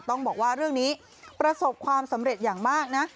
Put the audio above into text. ต้องบอกว่าเรื่องนี้ประสบความสำเร็จอย่างมากนะ